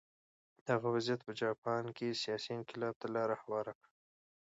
دغه وضعیت په جاپان کې سیاسي انقلاب ته لار هواره کړه.